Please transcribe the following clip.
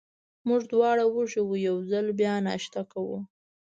موږ دواړه وږي وو، یو ځل بیا ناشته کوو.